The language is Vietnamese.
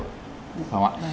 đúng không ạ